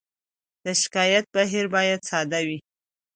د شکایت بهیر باید ساده وي.